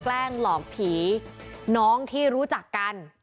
แกล้งหลอกผีน้องที่รู้จักกัน